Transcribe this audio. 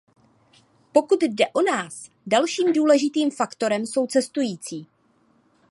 Pokud jde o nás, dalším důležitým faktorem jsou cestující.